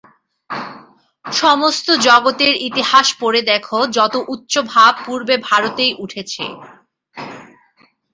সমস্ত জগতের ইতিহাস পড়ে দেখ, যত উচ্চ ভাব পূর্বে ভারতেই উঠেছে।